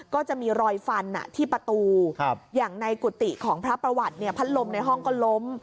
ก็จะมีรอยฟันที่ประตูอย่างในกุฏิของพระประวัติเนี่ยพัดลมในห้องก็ล้ม